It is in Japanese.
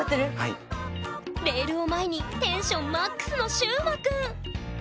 レールを前にテンションマックスのしゅうまくん！